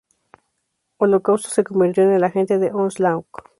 Holocausto se convirtió en un agente de Onslaught.